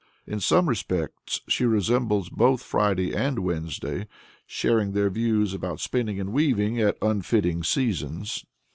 In some respects she resembles both Friday and Wednesday, sharing their views about spinning and weaving at unfitting seasons.